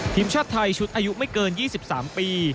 ทีมชาติไทยชุดอายุไม่เกิน๒๓ปี